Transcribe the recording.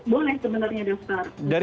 boleh sebenarnya daftar